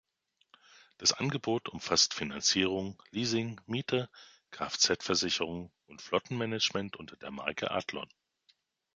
Das Angebot umfasst Finanzierung, Leasing, Miete, Kfz-Versicherungen und Flottenmanagement unter der Marke Athlon.